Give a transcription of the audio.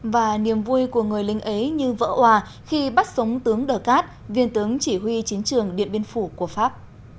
và niềm vui của người lính ấy như vỡ hòa khi bắt súng tướng đờ cát viên tướng chỉ huy chiến trường điện biên phủ của pháp